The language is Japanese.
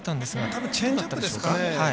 たぶんチェンジアップですかね。